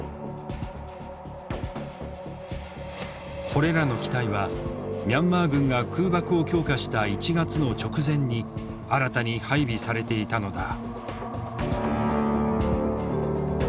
これらの機体はミャンマー軍が空爆を強化した１月の直前に新たに配備されていたのだ。